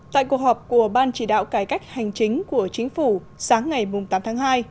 tại cuộc họp của ban chỉ đạo cải cách hành chính của chính phủ sáng ngày tám tháng hai